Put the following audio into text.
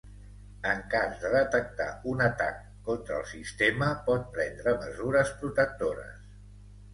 En cas de detectar un atac contra el sistema, pot prendre mesures protectores.